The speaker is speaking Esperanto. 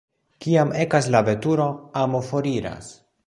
Kiam ekas la veturo, amo foriras.